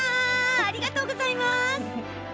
ありがとうございます。